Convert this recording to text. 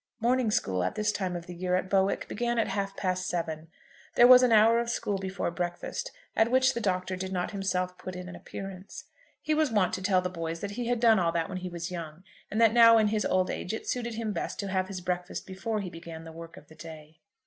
Morning school at this time of the year at Bowick began at half past seven. There was an hour of school before breakfast, at which the Doctor did not himself put in an appearance. He was wont to tell the boys that he had done all that when he was young, and that now in his old age it suited him best to have his breakfast before he began the work of the day.